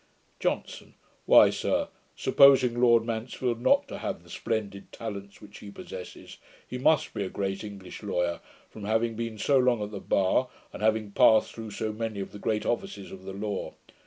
JOHNSON. 'Why, sir, supposing Lord Mansfield not to have the splendid talents which he possesses, he must be a great English lawyer, from having been so long at the bar, and having passed through so many of the great offices of the law.